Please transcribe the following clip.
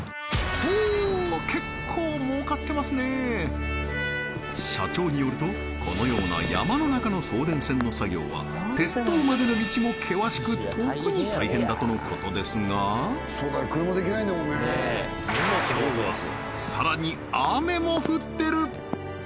ほ！社長によるとこのような山の中の送電線の作業は鉄塔までの道も険しく特に大変だとのことですが今日はさらに雨も降ってる！